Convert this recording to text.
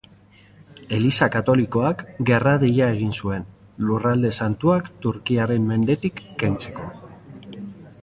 Eliza Katolikoak gerra-deia egin zuen, Lurralde Santuak turkiarren mendetik kentzeko.